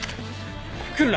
来るな。